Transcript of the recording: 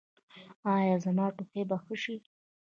ایا زما ټوخی به ښه شي؟